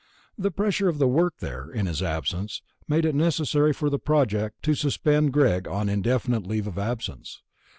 The pressure of the work there, in his absence, made it necessary for the Project to suspend Greg on an indefinite leave of absence.